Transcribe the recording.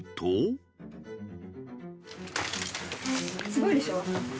すごいでしょ。